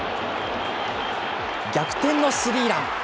逆転のスリーラン。